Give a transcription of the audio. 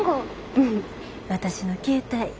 うん私の携帯。